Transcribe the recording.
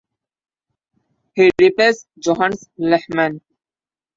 He replaced Johannes Lehman.